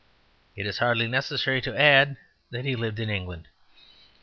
It is hardly necessary to add that he lived in England.